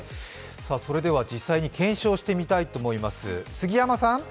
それでは実際に検証してみたいと思います。